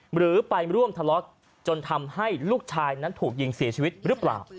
หรือไปร่วมทะเลาะจนทำให้ลูกชายนั้นถูกยิงเสียชีวิตหรือเปล่า